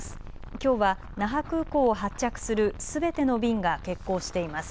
きょうは那覇空港を発着するすべての便が欠航しています。